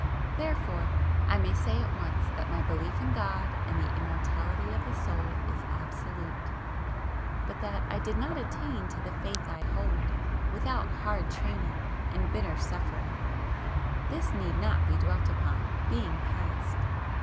Therefore I may say at once that my belief in God and the immortality of the Soul is absolute, but that I did not attain to the faith I hold without hard training and bitter suffering. This need not be dwelt upon, being past.